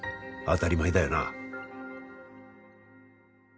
当たり前だよな。